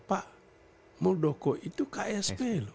pak muldoko itu ksp loh